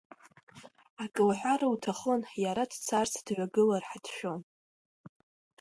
Ак лҳәар лҭахын, иара дцарц дҩагылар ҳәа дшәон.